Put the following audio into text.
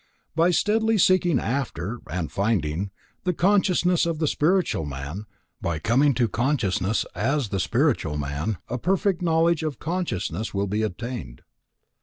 By steadily seeking after, and finding, the consciousness of the spiritual man, by coming to consciousness as the spiritual man, a perfect knowledge of consciousness will be attained.